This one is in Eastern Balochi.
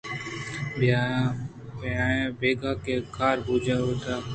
بیگاہ ءَ کہ کار بوج بُوت